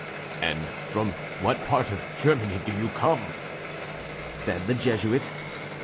"And from what part of Germany do you come?" said the Jesuit.